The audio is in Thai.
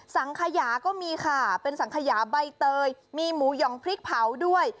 สังขยาก็มีค่ะเป็นสังขยาใบเตยมีหมูหย่องพริกเผาด้วย